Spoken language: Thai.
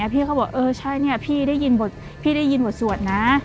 พี่เขาบอกพี่ได้ยินบทสวดนะ